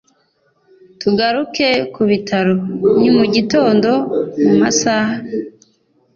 tugaruke kubitaro nimugitondo mumasaha